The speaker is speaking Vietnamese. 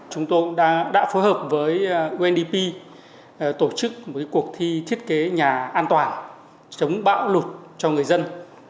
chúng tôi cũng đã phối hợp với undp tổ chức một cuộc thi thiết kế nhà an toàn chống bão lụt cho người dân